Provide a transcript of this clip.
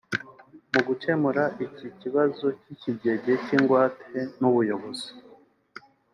Mu gukemura iki kibazo ikigege cy’igwate n’ubuyobozi